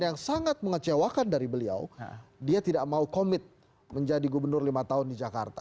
dan yang sangat mengecewakan dari beliau dia tidak mau komit menjadi gubernur lima tahun di jakarta